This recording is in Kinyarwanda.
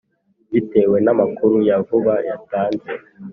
Bitewe na amakuru ya vuba yatanze